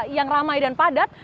yang ramai dan padat